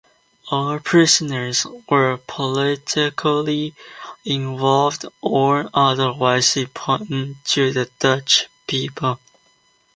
All prisoners were politically involved or otherwise important to the Dutch people.